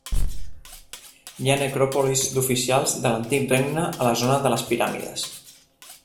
Hi ha necròpolis d'oficials de l'antic regne a la zona de les piràmides.